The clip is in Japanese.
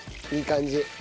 いい感じ。